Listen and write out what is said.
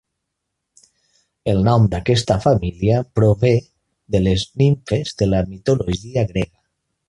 El nom d'aquesta família prové de les nimfes de la mitologia grega.